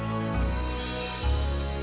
mak jangan berusaha terus sama atsheng